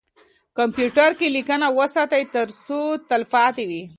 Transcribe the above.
کمپیوتر کې لیکنه وساتئ ترڅو تلپاتې وي.